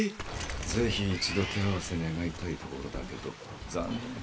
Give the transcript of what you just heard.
ぜひ一度手合わせ願いたいところだけど残念。